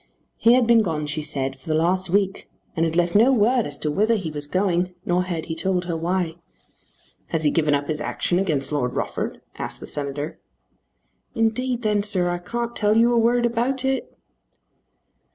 He had been gone, she said, for the last week, and had left no word as to whither he was going; nor had he told her why. "Has he given up his action against Lord Rufford?" asked the Senator. "Indeed then, sir, I can't tell you a word about it."